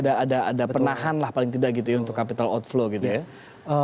ada penahan lah paling tidak gitu ya untuk capital outflow gitu ya